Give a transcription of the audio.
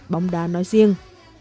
bóng đá nói riêng